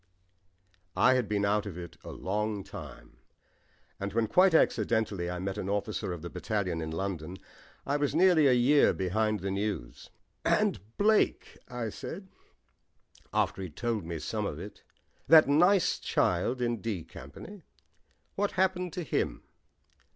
I had been out of it for a long time, and when quite accidentally I met an officer of the battalion in London I was nearly a year behind the news. "And Blake," I said, after he'd told me some of it, "that nice child in 'D' Company; what happened to him?"